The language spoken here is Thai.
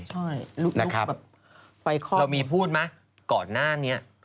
ใช่ลุกแบบไปข้อมุมเรามีพูดไหมก่อนหน้านี้